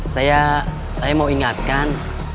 saya mau ingatkan